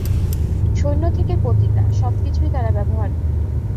সৈন্য থেকে পতিতা সবকিছুই তারা ব্যবহার করতো।